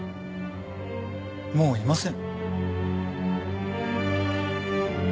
もういません。